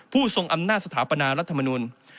ทรงอำนาจสถาปนารัฐมนุน